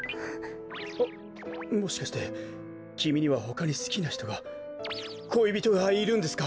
あっもしかしてきみにはほかにすきなひとがこいびとがいるんですか？